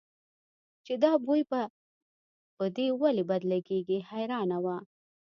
چې دا بوی به په دې ولې بد لګېږي حیرانه وه.